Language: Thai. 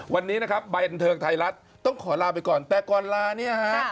วันนี้นะครับใบบันเทิงไทยรัฐต้องขอลาไปก่อนแต่ก่อนลาเนี่ยฮะ